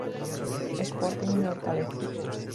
Sporting de Hortaleza.